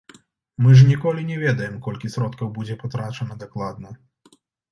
Мы ж ніколі не ведаем, колькі сродкаў будзе патрачана, дакладна.